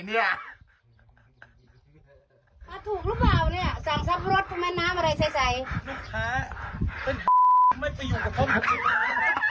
ลูกค้าเป็นไม่ได้อยู่กับท่องของลูกค้า